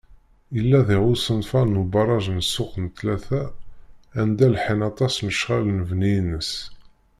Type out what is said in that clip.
Yella diɣ usenfar n ubaraǧ n Ssuq n Ttlata, anda lḥan aṭas lecɣal n lebni-ines.